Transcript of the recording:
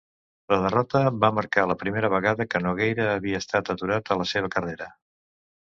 La derrota va marcar la primera vegada que Nogueira havia estat aturat a la seva carrera.